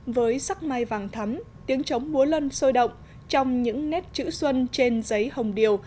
với sắc mai vàng thắm tiếng chống múa lân sôi động trong những nét chữ xuân trên giấy hồng điều